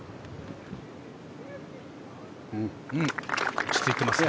落ち着いていますね。